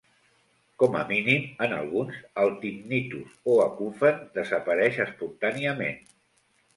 Com a mínim en alguns, el tinnitus o acufen, desapareix espontàniament.